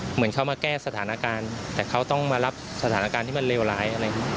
เหมือนเขามาแก้สถานการณ์แต่เขาต้องมารับสถานการณ์ที่มันเลวร้ายอะไรอย่างนี้